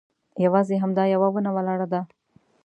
یوازې همدا یوه ونه ولاړه ده.